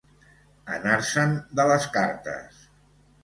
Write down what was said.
Anar-se'n de les cartes.